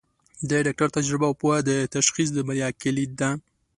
د ډاکټر تجربه او پوهه د تشخیص د بریا کلید ده.